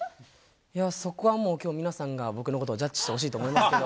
いや、そこはもう、皆さんが僕のことをジャッジしてほしいと思いますけど。